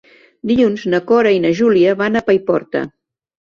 Dilluns na Cora i na Júlia van a Paiporta.